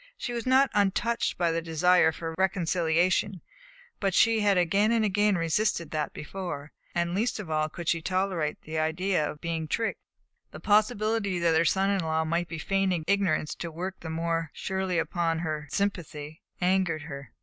She was not untouched by the desire for reconciliation, but she had again and again resisted that before, and least of all could she tolerate the idea of being tricked. The possibility that her son in law might be feigning ignorance to work the more surely upon her sympathy angered her.